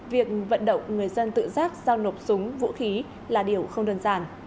việc vận động người dân tự giác giao nộp súng vũ khí là điều không đơn giản